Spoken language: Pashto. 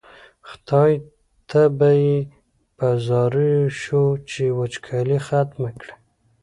خدای ته به یې په زاریو شو چې وچکالي ختمه کړي.